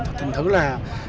thực thần thử là